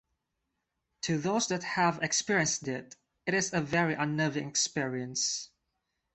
To those that have experienced it, it is a very unnerving experience.